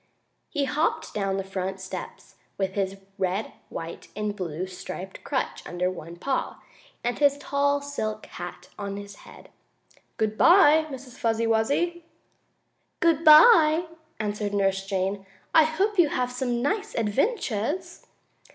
He hopped down the front steps, with his red, white and blue striped crutch under one paw, and his tall, silk hat on his head. "Good bye, Miss Fuzzy Wuzzy!" "Good bye!" answered Nurse Jane. "I hope you have some nice adventures!"